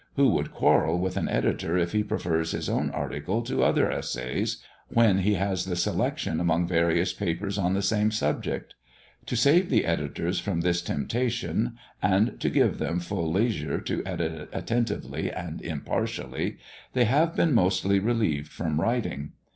Who would quarrel with an editor if he prefers his own article to other essays, when he has the selection among various papers on the same subject. To save the editors from this temptation, and to give them full leisure to edit attentively and impartially, they have been mostly relieved from writing.